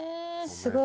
すごい。